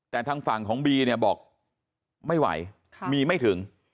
แต่ทางฝั่งของบีเนี่ยบอกไม่ไหวมีไม่ถึง